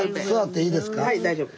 はい大丈夫。